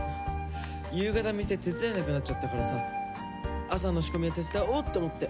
夕方店手伝えなくなっちゃったからさ朝の仕込みは手伝おうって思って。